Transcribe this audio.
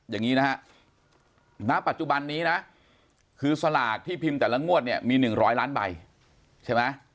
อย่างนี้นะฮะณปัจจุบันนี้นะคือสลากที่พิมพ์แต่ละงวดเนี่ยมี๑๐๐ล้านใบใช่ไหม